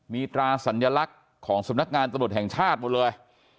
มีตราสัญลักษณ์ของสำนักงานตำรวจแห่งชาติหมดเลย